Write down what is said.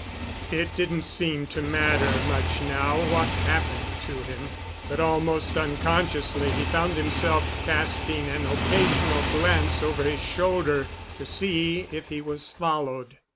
It didn't seem to matter much now what happened to him. But almost unconsciously he found himself casting an occasional glance over his shoulder to see if he was followed.